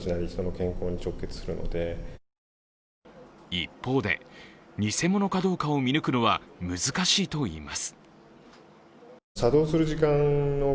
一方で偽物かどうかを見抜くのは難しいといいます。